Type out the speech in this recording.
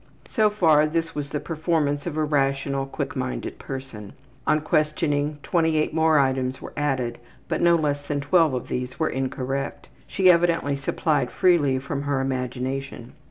So far, this was the performance of a rational, quick minded person. On questioning, 28 more items were added, but no less than 12 of these were incorrect she evidently supplied freely from her imagination.